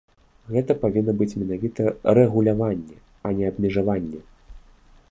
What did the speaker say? Гэта павінна быць менавіта рэгуляванне, а не абмежаванне.